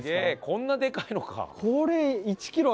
こんなでかいのか。